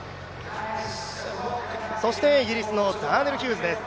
そしてイギリスのザーネル・ヒューズです。